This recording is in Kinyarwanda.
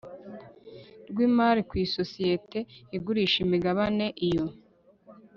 rw imari ku isosiyete igurisha imigabane iyo